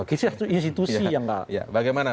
itu institusi yang nggak